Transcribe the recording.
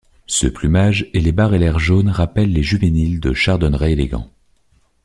Ce plumage et les barres ailaires jaunes rappellent les juvéniles de Chardonneret élégant.